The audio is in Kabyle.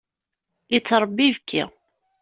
Yettṛebbi ibekki.